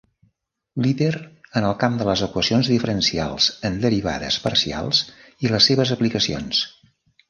Líder en el camp d'equacions diferencials en derivades parcials i les seves aplicacions.